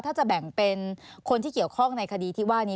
ถ้าจะแบ่งเป็นคนที่เกี่ยวข้องในคดีที่ว่านี้